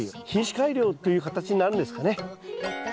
品種改良という形になるんですかね。